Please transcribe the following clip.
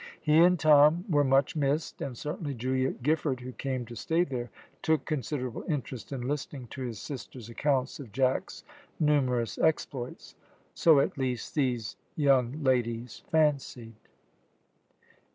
He and Tom were much missed, and certainly Julia Giffard, who came to stay there, took considerable interest in listening to his sisters' accounts of Jack's numerous exploits so at least these young ladies fancied.